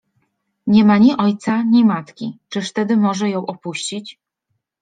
Nie ma ni ojca, ni matki, czyż tedy może ją opuścić?